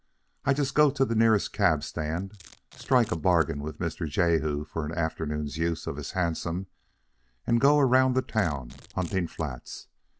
I just go to the nearest cab stand, strike a bargain with Mr. Jehu for an afternoon's use of his hansom, and go around the town hunting flats.